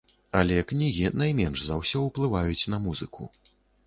Але кнігі найменш за ўсё ўплываюць на музыку.